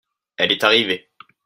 elles est arrivée.